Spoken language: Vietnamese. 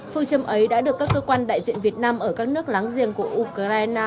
phương châm ấy đã được các cơ quan đại diện việt nam ở các nước láng giềng của ukraine